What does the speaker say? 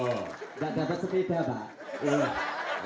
nggak dapat sepeda pak